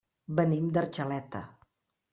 Venim d'Argeleta.